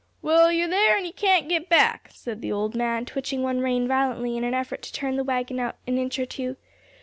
"Well, ye're there an' ye can't git back," said the old man, twitching one rein violently in an effort to turn the wagon out an inch or two.